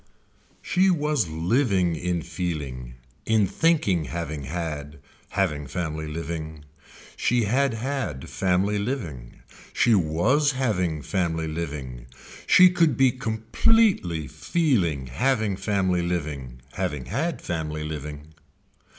She was living in feeling, in thinking having had, having family living. She had had family living. She was having family living. She could be completely feeling having family living, having had family living.